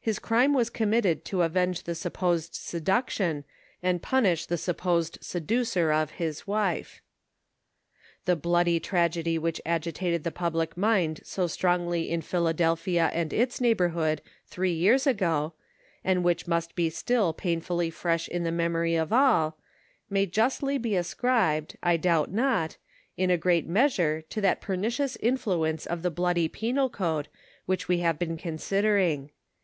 His crime was committed to avenge the supposed seduction, and punish the supposed seducer of his wife. The bloody tragedy which agitated the public mind so strongly in Philadelphia and its neighborhood three years ago, and which must be still painfully fresh in the memory of all, may justly be ascribed, I doubt not, in a great measure to that pernicious influence of the bloody penal code which we have been considering.